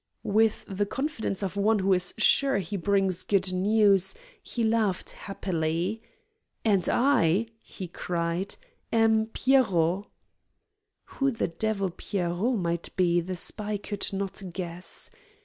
With the confidence of one who is sure he brings good news, he laughed happily. "And I," he cried, "am 'Pierrot'!" Who the devil "Pierrot" might be the spy could not guess.